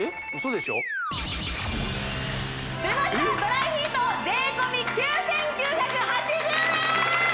でましたドライヒート税込９９８０円！